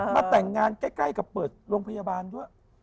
มาแต่งงานใกล้กับเปิดโรงพยาบาลด้วย